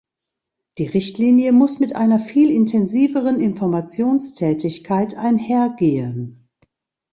Die Richtlinie muss mit einer viel intensiveren Informationstätigkeit einhergehen.